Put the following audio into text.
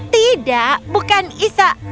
tidak bukan isa